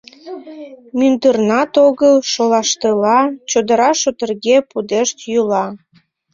Мӱндырнат огыл, шолаштыла, чодыра шотырге пудешт йӱла.